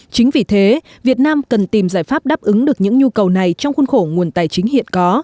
chính vì thế việt nam cần tìm giải pháp đáp ứng được những nhu cầu này trong khuôn khổ nguồn tài chính hiện có